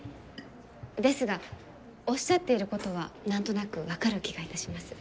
ですがおっしゃっていることは何となく分かる気がいたします。